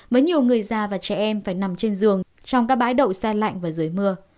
với nhiều người già và trẻ em phải nằm trên giường trong các bãi đậu xe lạnh và dưới mưa